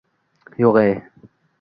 Yo‘g‘e?!